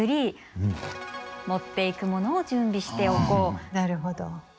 「持っていくものを準備しておこう！」。